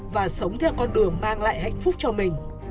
và sống theo con đường mang lại hạnh phúc cho mình